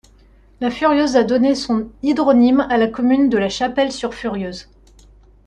La Furieuse a donné son hydronyme à la commune de La Chapelle-sur-Furieuse.